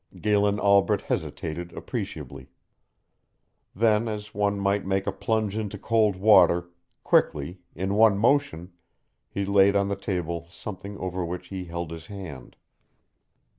Galen Albret hesitated appreciably. Then, as one would make a plunge into cold water, quickly, in one motion, he laid on the table something over which he held his hand.